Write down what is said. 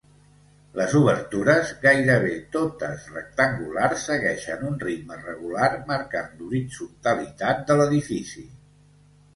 Les obertures, gairebé totes rectangulars, segueixen un ritme regular marcant l'horitzontalitat de l'edifici.